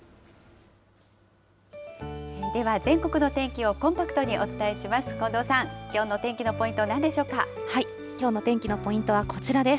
では、全国の天気をコンパクトにお伝えします。